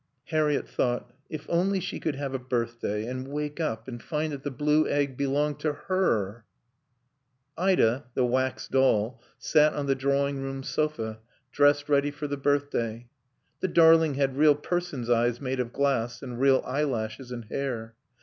Harriett thought: If only she could have a birthday and wake up and find that the blue egg belonged to her Ida, the wax doll, sat on the drawing room sofa, dressed ready for the birthday. The darling had real person's eyes made of glass, and real eyelashes and hair.